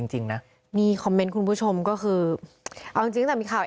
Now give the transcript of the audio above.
จริงนะนี่คอมเมนต์คุณผู้ชมก็คือเอาจริงตั้งแต่มีข่าว